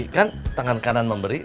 kan tangan kanan memberi